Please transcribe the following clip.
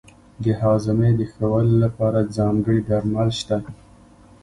د هاضمې د ښه والي لپاره ځانګړي درمل شته.